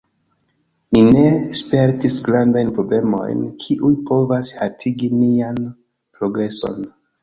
Ni ne spertis grandajn problemojn, kiuj povas haltigi nian progreson